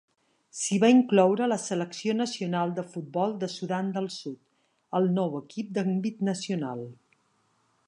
S'hi va incloure la selecció nacional de futbol de Sudan del Sud, el nou equip d'àmbit nacional.